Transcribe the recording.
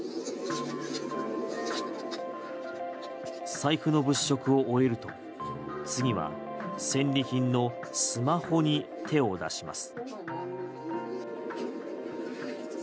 財布の物色を終えると次は、戦利品のスマホに手を出します。